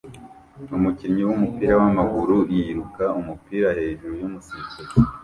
Umukinnyi wumupira wamaguru yiruka umupira hejuru yumusifuzi